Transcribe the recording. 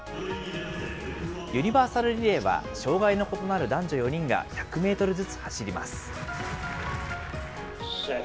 ユニバーサルリレーは障害の異なる男女４人が１００メートルずつ走ります。